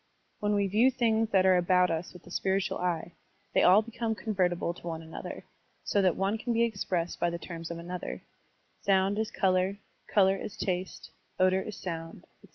When we view things that are about us with the spiritual eye, they all become convertible to one another, so that one can be expressed by the terms of another: sound is color, color is taste, odor is sotmd, etc.